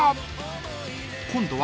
［今度は］